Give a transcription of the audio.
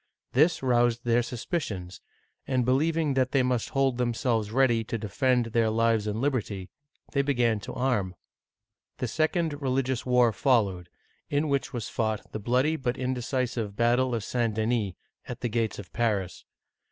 This roused their suspicions, and, believing that they must hold themselves ready to defend their lives and liberty, they began to arm. The second religious war followed, in which was fought the bloody but indecisive battle of Digitized by Google 258 OLD FRANCE St. Denis, at the gates of Paris.